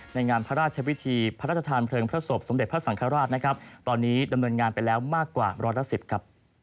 งานพระราชวิธีพระราชทานเพลิงพระศพสมเด็จพระสังฆราชนะครับตอนนี้ดำเนินงานไปแล้วมากกว่าร้อยละสิบครับ